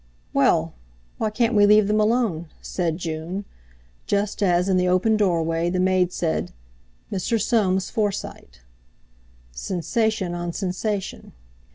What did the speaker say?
"Well! Why can't we leave them alone?" said June, just as, in the open doorway, the maid said "Mr. Soames Forsyte." Sensation on sensation!